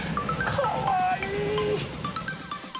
かわいい！